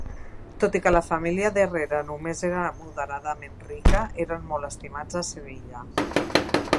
Tot i que la família d'Herrera només era moderadament rica, eren molt estimats a Sevilla.